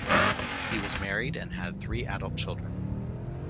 He was married and had three adult children.